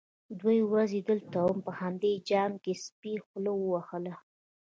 _دوې ورځې دلته وم، په همدې جام کې سپي خوله وهله.